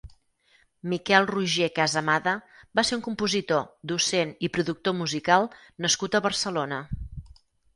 Miquel Roger Casamada va ser un compositor, docent i productor musical nascut a Barcelona.